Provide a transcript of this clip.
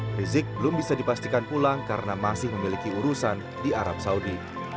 rizik belum bisa dipastikan pulang karena masih memiliki urusan di arab saudi